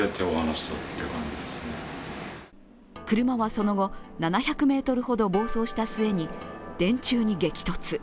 車はその後、７００ｍほど暴走した末に電柱に激突。